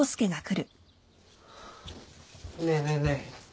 ねえねえねえ。